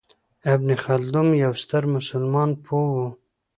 ابن خلدون یو ستر مسلمان پوه و.